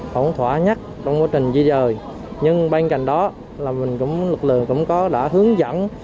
không thỏa nhất trong quá trình di rời nhưng bên cạnh đó là lực lượng cũng đã hướng dẫn